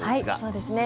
そうですね。